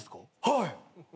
はい。